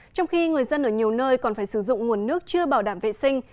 trong khi người dân ở nhiều nơi còn phải sử dụng nguồn nước chưa bảo đảm vệ sinh